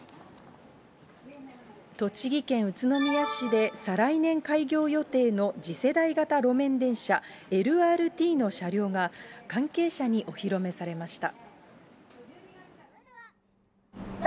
栃木県宇都宮市で再来年開業予定の次世代型路面電車・ＬＲＴの車両が、関係者にお披露目されました。